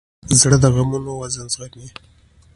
زړه د غمونو وزن زغمي.